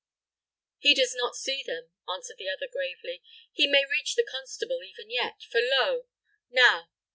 "He does not see them," answered the other, gravely. "He may reach the constable, even yet; for lo, now!